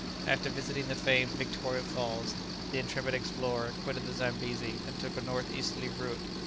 After visiting the famed Victoria Falls, the intrepid explorer quitted the Zambesi, and took a north easterly route.